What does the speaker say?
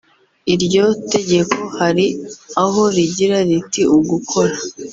Iryo tegeko hari aho rigira riti “Ugukora